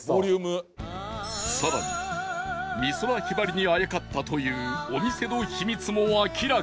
更に美空ひばりにあやかったというお店の秘密も明らかに？